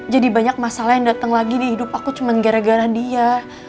jadi banyak masalah yang dateng lagi di hidup aku cuman gara gara dia